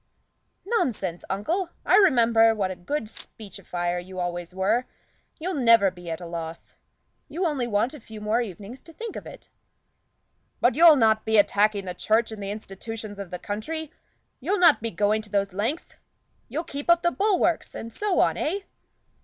"Nonsense, uncle! I remember what a good speechifier you always were; you'll never be at a loss. You only want a few more evenings to think of it." "But you'll not be attacking the Church and the institutions of the country you'll not be going those lengths; you'll keep up the bulwarks, and so on, eh?"